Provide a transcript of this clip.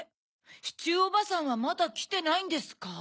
シチューおばさんはまだきてないんですか？